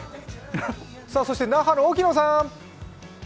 そして那覇の沖野さん。